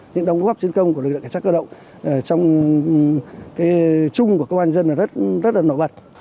những đóng góp chiến công của lực lượng cảnh sát cơ động trong cái chung của công an nhân dân là rất là nổi bật